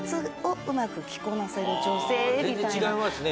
全然違いますね